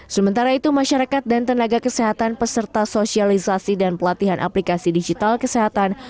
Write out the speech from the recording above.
sementara itu masyarakat dan tenaga kesehatan peserta sosialisasi dan pelatihan aplikasi digital kesehatan